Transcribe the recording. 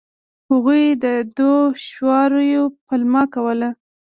هغوی د دوشواریو پلمه کوله.